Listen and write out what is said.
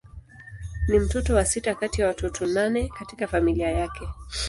Ni mtoto wa sita kati ya watoto nane katika familia yake.